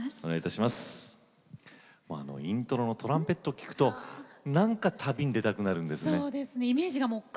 イントロのトランペットを聴くとなんか旅に出たくなりますね。